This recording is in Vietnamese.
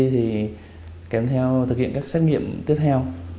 thì kèm theo thực hiện các xét nghiệm tiếp theo